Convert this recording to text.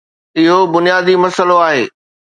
اهو بنيادي مسئلو آهي